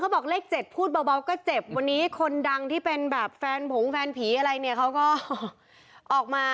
บอกเลข๗พูดเบาก็เจ็บวันนี้คนดังที่เป็นแบบแฟนผงแฟนผีอะไรเนี่ยเขาก็ออกมา